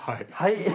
はい。